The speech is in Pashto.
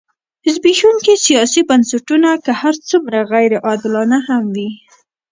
زبېښونکي سیاسي بنسټونه که هر څومره غیر عادلانه هم وي.